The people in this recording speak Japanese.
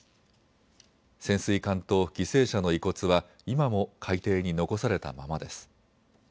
潜水艦と犠牲者の遺骨は今も海底に残されたままです。